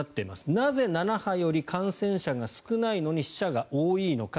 なぜ７波より感染者が少ないのに死者が多いのか。